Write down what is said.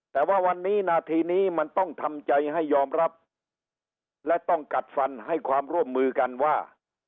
แต่ว่าวันนี้นาทีนี้มันต้องทำใจให้ยอมรับและต้องกัดฟันให้ความร่วมมือกันว่า